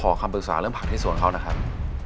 คำปรึกษาเรื่องผักที่สวนเขานะครับ